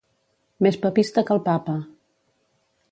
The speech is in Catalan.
Més papista que el papa.